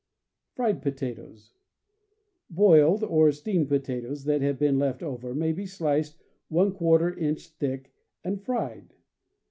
Fried Potatoes. — Boiled or steamed potatoes that have been left over may be sliced | inch thick, and fried.